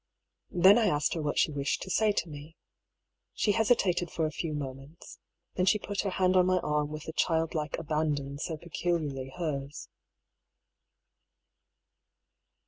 Then I asked her what she wished to say to me. She hesitated for a few moments. Then she put her hand on my arm with the childlike abandon so pecul iarly hers.